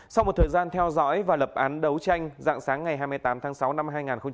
sau một thời gian theo dõi và lập án đấu tranh dạng sáng ngày hai mươi tám tháng sáu năm hai nghìn hai mươi